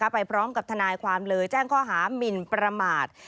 ไปพร้อมกับทนายความเลยแจ้งข้อหามินประมาท